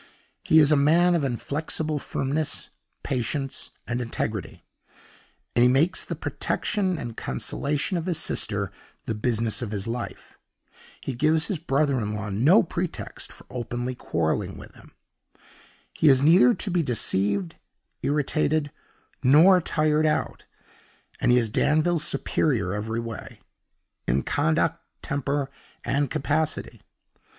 He is a man of inflexible firmness, patience, and integrity, and he makes the protection and consolation of his sister the business of his life. He gives his brother in law no pretext for openly quarreling with him. He is neither to be deceived, irritated, nor tired out, and he is Danville's superior every way in conduct, temper, and capacity.